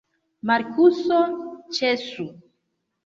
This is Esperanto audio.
Markuso, ĉesu!